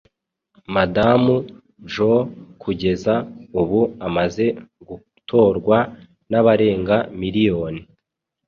Madamu Jo kugeza ubu amaze gutorwa n'abarenga miliyoni